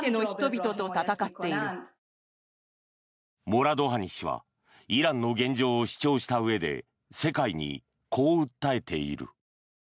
モラドハニ氏はイランの現状を主張したうえで世界にこう訴えている。